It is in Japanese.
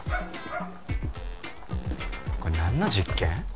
これ何の実験？